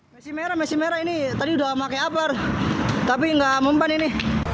mesin merah mesin merah ini tadi udah pake abar tapi gak mempan ini